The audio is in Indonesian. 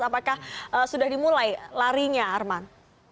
apakah sudah dimulai larinya arman